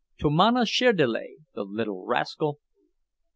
Tu mano szirdele, the little rascal!"